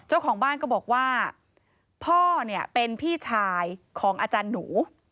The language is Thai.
เจ้าของบ้านก็บอกว่าพ่อเนี่ยเป็นพี่ชายของอาจารย์หนู